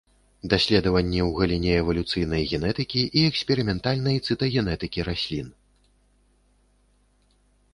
Даследаванні ў галіне эвалюцыйнай генетыкі і эксперыментальнай цытагенетыкі раслін.